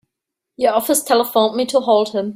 Your office telephoned me to hold him.